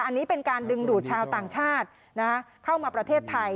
อันนี้เป็นการดึงดูดชาวต่างชาติเข้ามาประเทศไทย